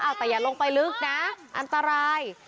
เอาแต่อย่าลงไปลึกนะอันตราย